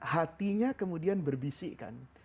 hatinya kemudian berbisikkan